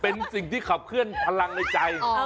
เป็นสิ่งที่ขับเคลื่อนพลังในใจ